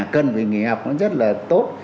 cần về nghỉ học nó rất là tốt